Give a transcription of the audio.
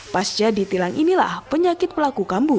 pasca ditilang inilah penyakit pelaku kambu